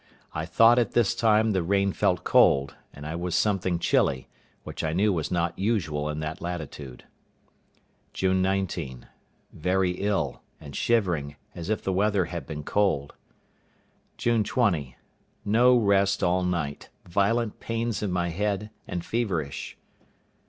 I thought at this time the rain felt cold, and I was something chilly; which I knew was not usual in that latitude. June 19.—Very ill, and shivering, as if the weather had been cold. June 20.—No rest all night; violent pains in my head, and feverish.